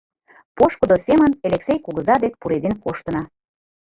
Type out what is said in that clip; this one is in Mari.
Пошкудо семын Элексей кугыза дек пуреден коштына.